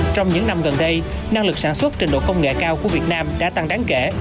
trong những năm gần đây năng lực sản xuất trình độ công nghệ cao của việt nam đã tăng đáng kể